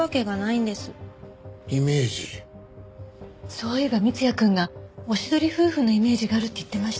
そういえば三ツ矢くんがおしどり夫婦のイメージがあるって言ってました。